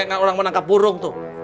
kayak orang mau nangkap burung tuh